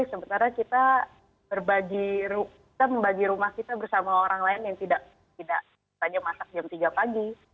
sementara kita membagi rumah kita bersama orang lain yang tidak masak jam tiga pagi